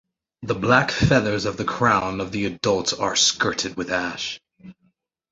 The black feathers of the crown of the adult are skirted with ash.